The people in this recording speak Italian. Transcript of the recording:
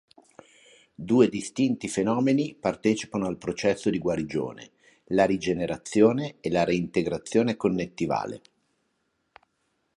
Due distinti fenomeni partecipano al processo di guarigione: la rigenerazione e la reintegrazione connettivale.